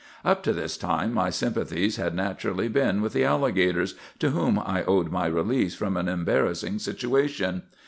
"Up to this time my sympathies had naturally been with the alligators, to whom I owed my release from an embarrassing situation.